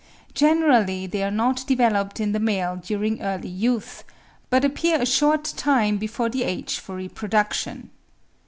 Generally they are not developed in the male during early youth, but appear a short time before the age for reproduction.